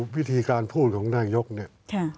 วิธีการพูดของนายกเนี่ย